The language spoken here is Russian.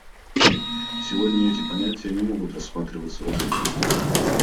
Сегодня эти понятия не могут рассматриваться в отдельности.